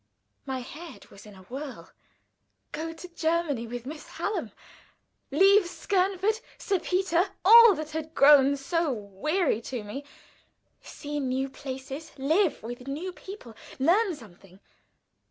My head was in a whirl. Go to Germany with Miss Hallam; leave Skernford, Sir Peter, all that had grown so weary to me; see new places, live with new people; learn something!